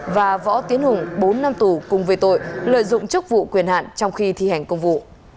và võ tiến hùng bốn năm tù cùng về tội lợi dụng chức vụ quyền hạn trong khi thi hành công vụ